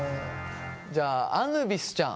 じゃああぬビスちゃん。